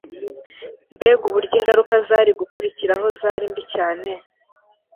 mbega uburyo ingaruka zari gukurikiraho zarri mbi cyane